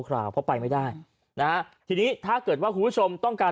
คราวเพราะไปไม่ได้นะฮะทีนี้ถ้าเกิดว่าคุณผู้ชมต้องการ